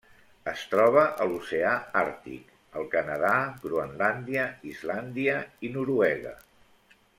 Es troba a l'Oceà Àrtic: el Canadà, Groenlàndia, Islàndia i Noruega.